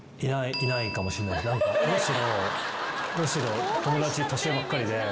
むしろ友達年上ばっかりで。